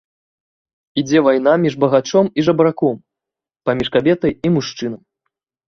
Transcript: Ідзе вайна між багачом і жабраком, паміж кабетай і мужчынам.